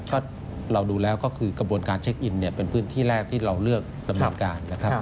คราดนี้ว่าเขาก็คือกระบวนการเช็คอินเป็นพื้นที่แรกที่เราเลือกในการ